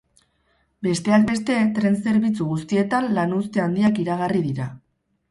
Besteak beste, tren zerbitzu guztietan lanuzte handiak iragarri dira.